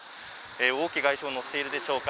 王毅外相を乗せているのでしょうか。